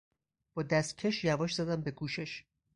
با دستکش یواش زدم به گوشش